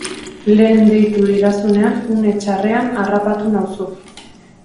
Lehen deitu didazunean une txarrean harrapatu nauzu.